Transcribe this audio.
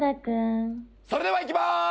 それではいきます！